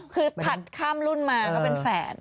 คือถัดข้ามรุ่นมาก็เป็นแสน